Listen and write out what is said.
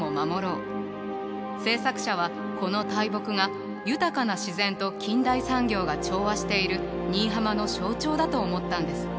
制作者はこの大木が豊かな自然と近代産業が調和している新居浜の象徴だと思ったんですって。